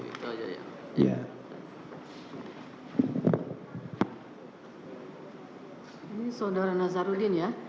ini saudara nazarudin ya